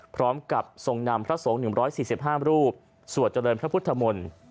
พร้อมกับทรงนำพระสงฆ์๑๔๕รูปสวดเจริญพระพุทธมนตร์